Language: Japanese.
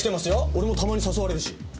俺もたまに誘われるし。